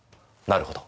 なるほど。